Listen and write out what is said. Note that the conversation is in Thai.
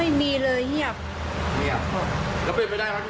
ไม่มีเลยเงียบเงียบแล้วเป็นไปได้ไหม